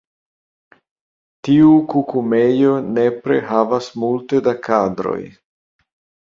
Tiu kukumejo nepre havas multe da kadroj.